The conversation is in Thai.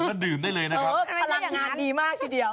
เฮ้อพลังงานดีมากทีเดียว